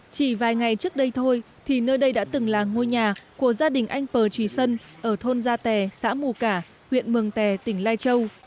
chỉ vài ngày trước đây thôi thì nơi đây đã từng là ngôi nhà của gia đình anh pờ trừ sân ở thôn gia tè xã mù cả huyện mường tè tỉnh lai châu